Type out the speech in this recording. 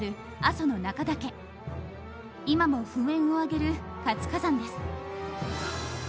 今も噴煙を上げる活火山です。